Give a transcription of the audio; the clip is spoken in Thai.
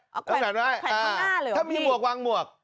แขวนไว้แขวนข้างหน้าหรือเปล่าพี่ถ้ามีหมวกวางหมวก